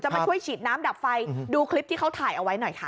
มาช่วยฉีดน้ำดับไฟดูคลิปที่เขาถ่ายเอาไว้หน่อยค่ะ